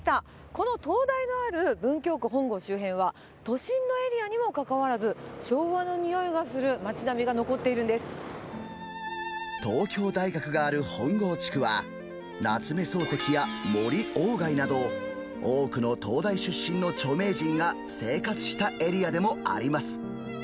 この東大のある文京区本郷周辺は、都心のエリアにもかかわらず、昭和のにおいがする町並みが残っ東京大学がある本郷地区は、夏目漱石や森鴎外など、多くの東大出身の著名人が生活したエリアでもあります。